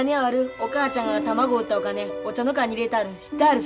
お母ちゃんが卵売ったお金お茶の缶に入れたあるん知ったあるさか。